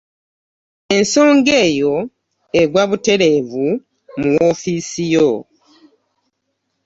Ensonga eyo egwa butereevu mu woofiisi yo.